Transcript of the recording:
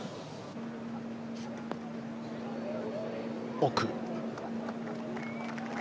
奥。